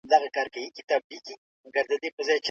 سترګې پټېږي.